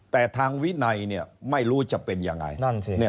แต่ทางวินัยไม่รู้จะเป็นยังไง